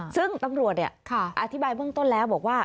ซึ่งตำรวจอธิบายเบื้องต้นแล้วบอกว่า